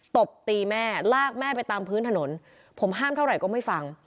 ตบตีแม่ลากแม่ไปตามพื้นถนนผมห้ามเท่าไหร่ก็ไม่ฟัง